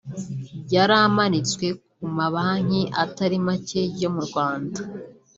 yari amanitswe ku ma banki atari make yo mu Rwanda